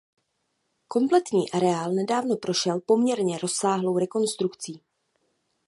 Kompletní areál nedávno prošel poměrně rozsáhlou rekonstrukcí.